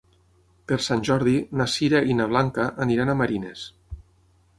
Per Sant Jordi na Sira i na Blanca aniran a Marines.